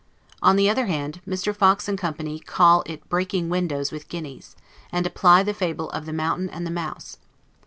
On the other hand, Mr. Fox and company call it breaking windows with guineas; and apply the fable of the Mountain and the Mouse.